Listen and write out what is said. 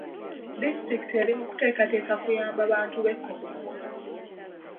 Disitulikiti eri mu kuteekateeka kuyamba bantu b'e Koboko.